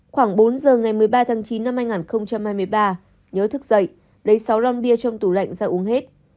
khoảng bốn giờ ngày một mươi ba tháng chín năm hai nghìn hai mươi ba nhớ thức dậy lấy sáu ron bia trong tủ lạnh ra uống hết